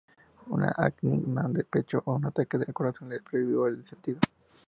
Una angina de pecho o un ataque al corazón le privó del sentido.